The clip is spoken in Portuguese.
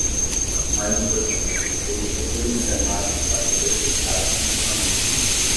Mais importante, eu estruturo minha gramática para poder ditar continuamente.